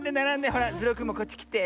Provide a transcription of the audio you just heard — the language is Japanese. ほらズルオくんもこっちきて。